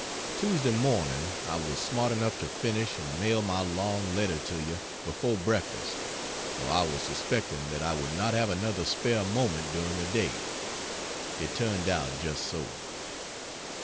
Tuesday morning I was smart enough to finish and mail my long letter to you before breakfast for I was suspecting that I would not have another spare moment during the day. It turned out just so.